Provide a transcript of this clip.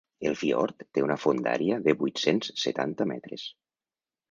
El fiord té una fondària de vuit-cents setanta metres.